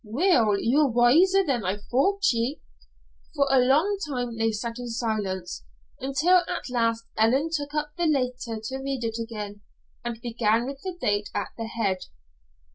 "Weel, ye're wiser than I thought ye." For a long time they sat in silence, until at last Ellen took up the letter to read it again, and began with the date at the head.